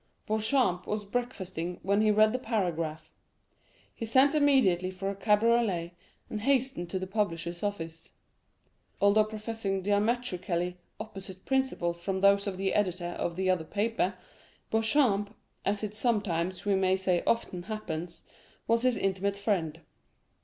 Beauchamp was breakfasting when he read the paragraph. He sent immediately for a cabriolet, and hastened to the publisher's office. Although professing diametrically opposite principles from those of the editor of the other paper, Beauchamp—as it sometimes, we may say often, happens—was his intimate friend.